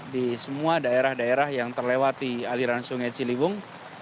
di semua daerah daerah yang terlewati aliran sungai ciliwung